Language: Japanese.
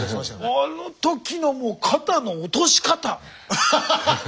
あの時の肩の落とし方。